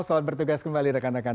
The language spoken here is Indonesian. selamat bertugas kembali rekan rekan